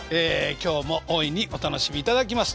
今日も大いにお楽しみいただきます。